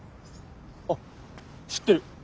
あっ知ってる。